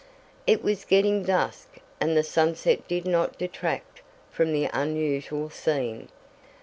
It was getting dusk, and the sunset did not detract from the unusual scene.